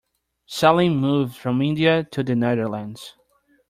Salim moved from India to the Netherlands.